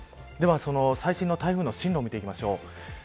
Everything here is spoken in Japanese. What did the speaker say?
では最新の台風の進路を見ていきましょう。